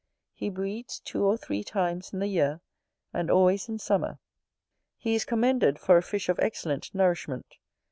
He breeds two or three times in the year; and always in summer. He is commended for a fish of excellent nourishment.